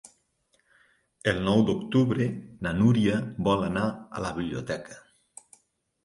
El nou d'octubre na Núria vol anar a la biblioteca.